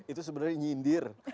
itu sebenarnya nyindir